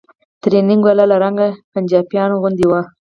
ټرېننگ والا له رنګه پنجابيانو غوندې و.